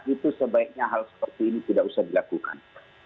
itu sebaiknya hal seperti ini tidak usah dilakukan